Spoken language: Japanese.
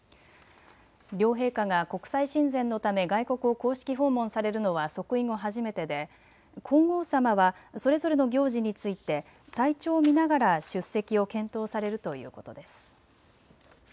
両陛下が国際親善のため外国を公式訪問されるのは即位後初めてで皇后さまはそれぞれの行事について体調を見ながら出席を検討されるということです。